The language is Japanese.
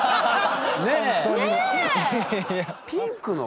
ねえ。